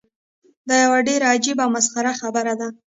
دا یوه ډیره عجیبه او مسخره خبره ده.